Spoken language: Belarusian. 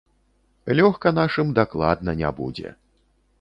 Лёгка нашым дакладна не будзе.